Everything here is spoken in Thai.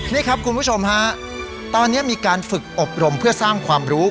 นี่ครับคุณผู้ชมฮะตอนนี้มีการฝึกอบรมเพื่อสร้างความรู้